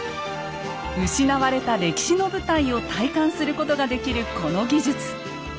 失われた歴史の舞台を体感することができるこの技術。